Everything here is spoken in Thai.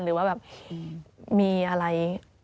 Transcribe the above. หรือว่าแบบมีอะไร